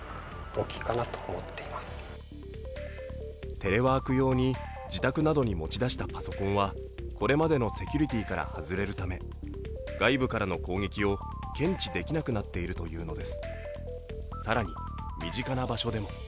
テレワーク用に自宅などに持ち出したパソコンはこれまでのセキュリティから外れるため外部からの攻撃を検知できなくなっているというのです。